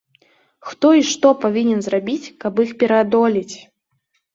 Хто і што павінен зрабіць, каб іх пераадолець?